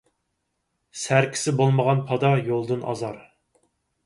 سەركىسى بولمىغان پادا يولدىن ئازار.